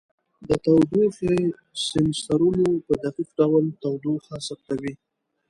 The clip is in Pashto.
د تودوخې سینسرونو په دقیق ډول تودوخه ثبتوي.